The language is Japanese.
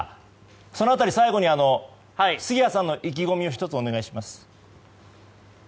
その辺り最後に杉谷さんの意気込みを１つお願いします。